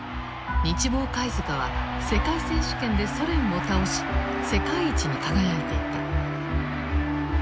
日紡貝塚は世界選手権でソ連を倒し世界一に輝いていた。